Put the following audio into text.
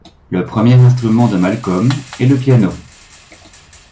Le premier instrument de Malcolm est le piano.